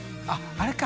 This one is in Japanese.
△あれか！